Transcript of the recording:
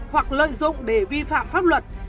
hoặc lợi dụng để vi phạm pháp luật